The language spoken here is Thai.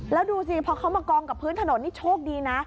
แล้วดูสิพอเขามากองกับพื้นถนนนี่โชคดีนะ